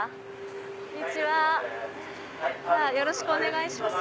よろしくお願いします。